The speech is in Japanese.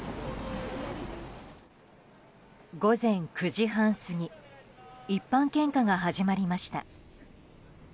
午前９時半すぎ一般献花が始まりました。